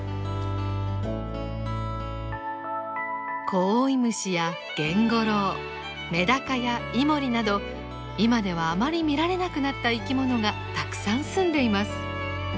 コオイムシやゲンゴロウメダカやイモリなど今ではあまり見られなくなった生き物がたくさん住んでいます。